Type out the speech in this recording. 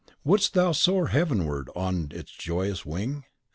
Wouldst thou soar heavenward on its joyous wing?